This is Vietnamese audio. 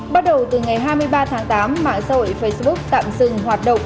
bắt đầu từ ngày hai mươi ba tháng tám mạng xã hội facebook tạm dừng hoạt động